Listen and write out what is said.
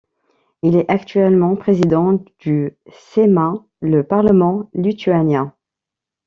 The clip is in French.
Il est actuellement Président du Seimas, le Parlement lituanien.